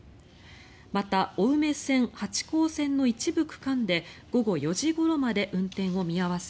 また青梅線、八高線の一部区間で午後４時ごろまで運転を見合わせ